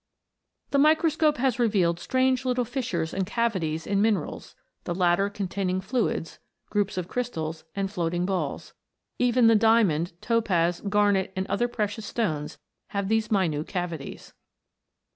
The microscope has revealed strange little fissures and cavities in minerals, the latter containing fluids, groups of crystals, and floating balls. Even the diamond, topaz, garnet, and other precious stones, have these minute cavities.